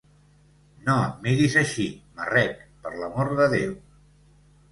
No em miris així, marrec, per l'amor de Déu!